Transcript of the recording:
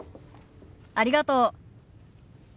ありがとう。